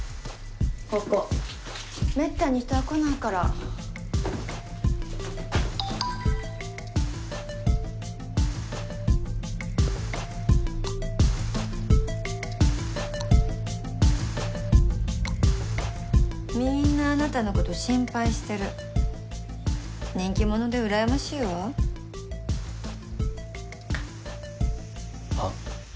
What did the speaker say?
ここめったに人は来ないからみんなあなたのこと心配してる人気者で羨ましいわああ？